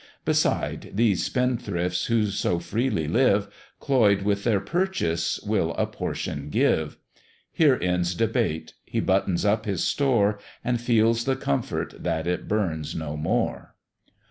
Beside, these spendthrifts who so freely live, Cloy'd with their purchase, will a portion give: Here ends debate, he buttons up his store, And feels the comfort that it burns no more.